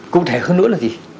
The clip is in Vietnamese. cụ thể hơn nữa là gì